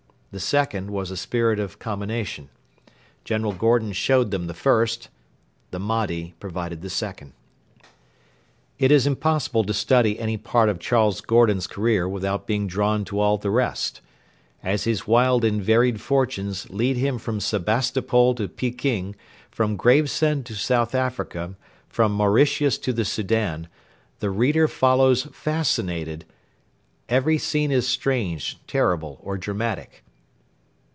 The second was a spirit of combination. General Gordon showed them the first. The Mahdi provided the second. It is impossible to study any part of Charles Gordon's career without being drawn to all the rest. As his wild and varied fortunes lead him from Sebastopol to Pekin, from Gravesend to South Africa, from Mauritius to the Soudan, the reader follows fascinated. Every scene is strange, terrible, or dramatic.